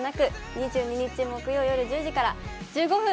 ２２日木曜夜１０時から１５分。